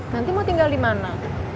nanti mau tinggal dimana